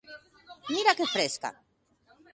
¡Mira que fresca!